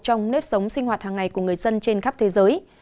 trong nếp sống sinh hoạt hàng ngày của người dân trên khắp thế giới